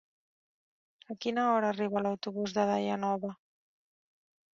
A quina hora arriba l'autobús de Daia Nova?